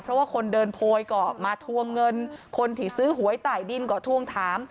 เพราะว่าคนเดินโพยก็มาทวงเงินคนที่ซื้อหวยใต้ดินก็ทวงถาม